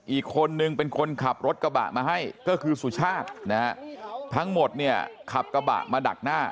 อีกคนนึงเป็นคนขับรถกระบะมาให้ก็คือสุชาตินะฮะทั้งหมดเนี่ยขับกระบะมาดักหน้า